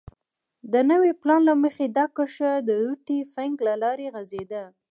د نوي پلان له مخې دا کرښه د روټي فنک له لارې غځېده.